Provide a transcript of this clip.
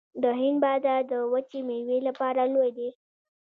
د هند بازار د وچې میوې لپاره لوی دی